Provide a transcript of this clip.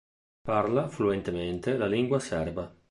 Parla fluentemente la lingua serba.